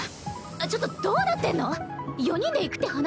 ちょっとどうなってんの⁉四人で行くって話じゃ。